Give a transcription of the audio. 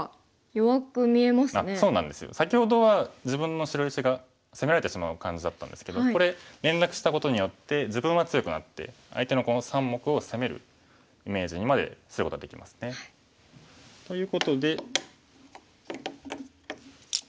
先ほどは自分の白石が攻められてしまう感じだったんですけどこれ連絡したことによって自分は強くなって相手のこの３目を攻めるイメージにまですることができますね。ということで。